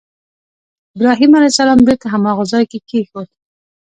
ابراهیم علیه السلام بېرته هماغه ځای کې کېښود.